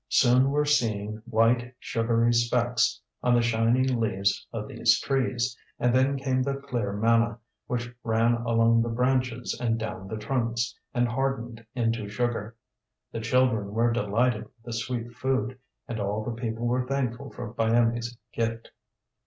Soon were seen white, sugary specks on the shining leaves of these trees, and then came the clear manna, which ran along the branches and down the trunks, and hardened into sugar. The children were delighted with the sweet food, and all the people were thankful for Byamee's gift.